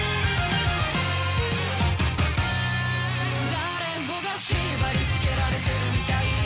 誰もが縛り付けられてるみたいだ